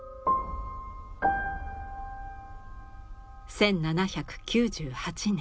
１７９８年。